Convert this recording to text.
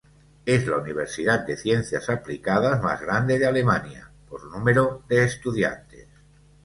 Es la universidad de ciencias aplicadas más grande de Alemania por número de estudiantes.